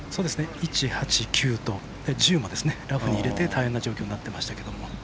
１、８、９、１０とラフに入れてという状況になってましたけど。